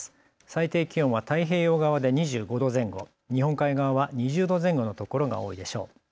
最低気温は太平洋側で２５度前後、日本海側は２０度前後の所が多いでしょう。